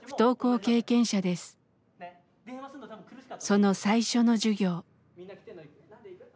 その最初の授業。